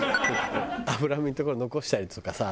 脂身のところ残したりとかさしてるとさ